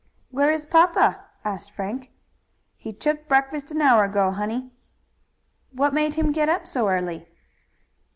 "Where is papa?" asked Frank. "He took breakfast an hour ago, honey." "What made him get up so early?"